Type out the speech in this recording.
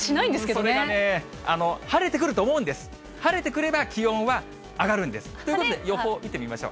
それがね、晴れてくると思うんです、晴れてくれば、気温は上がるんです。ということで予報見てみましょう。